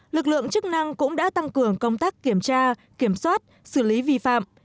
lực lượng chức năng cũng đã tăng cường công tác kiểm tra kiểm soát xử lý vi phạm